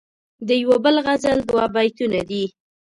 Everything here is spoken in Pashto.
دیو بل غزل دوه بیتونه دي..